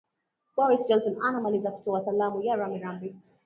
boris johnson anamaliza kutoa salaam za rambirambi